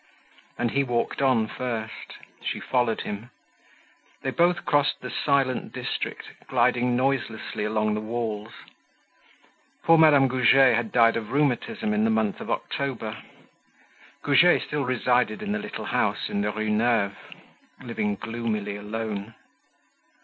And he walked on first. She followed him. They both crossed the silent district, gliding noiselessly along the walls. Poor Madame Goujet had died of rheumatism in the month of October. Goujet still resided in the little house in the Rue Neuve, living gloomily alone.